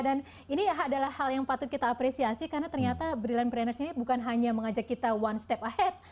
dan ini adalah hal yang patut kita apresiasi karena ternyata brilliantpreneur ini bukan hanya mengajak kita one step ahead